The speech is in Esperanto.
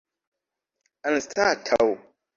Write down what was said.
anstataŭ